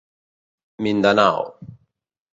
Mindanao.